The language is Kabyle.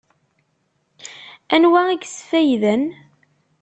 Anwa i yesfayden?